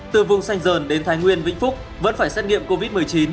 từ vùng xanh dờn đến thái nguyên vĩnh phúc vẫn phải xét nghiệm covid một mươi chín